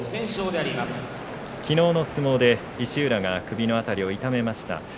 きのうの相撲で石浦が首の辺りを痛めました。